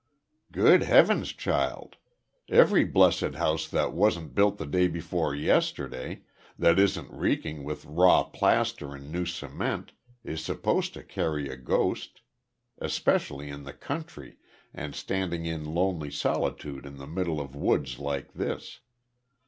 "Good Heavens, child. Every blessed house that wasn't built the day before yesterday, that isn't reeking with raw plaster and new cement, is supposed to carry a ghost, especially in the country, and standing in lonely solitude in the middle of woods like this.